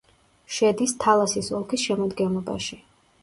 შედის თალასის ოლქის შემადგენლობაში.